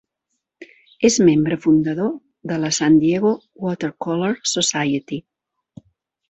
És membre fundador de la San Diego Watercolor Society.